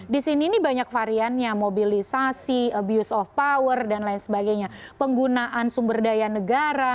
di sini ini banyak variannya mobilisasi abuse of power dan lain sebagainya penggunaan sumber daya negara